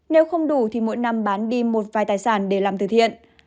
nếu không đủ thì mỗi năm bán đi một vài tài sản để làm từ thiện